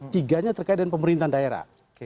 tiganya terkait dengan pemerintahan daerah